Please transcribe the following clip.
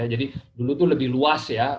jadi dulu itu lebih luas ya